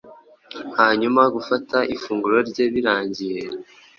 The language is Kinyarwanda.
Hanyumagufata ifunguro rye birangiye